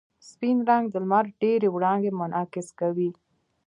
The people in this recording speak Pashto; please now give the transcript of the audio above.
سپین رنګ د لمر ډېرې وړانګې منعکس کوي.